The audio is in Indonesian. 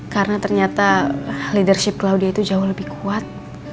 karena ternyata leadership claudia itu jauh lebih kuat